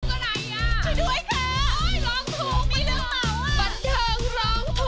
ก็ไหนอ่ะ